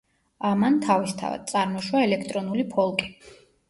ამან, თავისთავად, წარმოშვა ელექტრონული ფოლკი.